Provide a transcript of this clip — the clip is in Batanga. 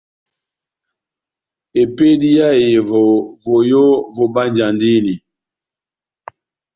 Epédi yá ehevo, voyó vobánjandini.